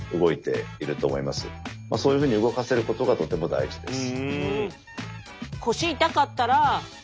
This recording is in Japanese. そういうふうに動かせることがとても大事です。